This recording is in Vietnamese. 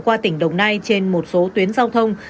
qua tỉnh đồng nai trên một số tuyến giao thông